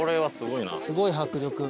すごい迫力。